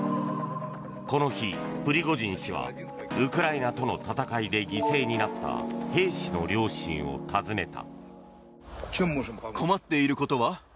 この日、プリゴジン氏はウクライナとの戦いで犠牲になった兵士の両親を訪ねた。